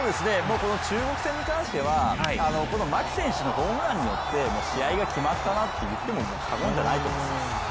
中国戦に関してはこの牧選手のホームランによって試合が決まったなと言っても過言じゃないと思います。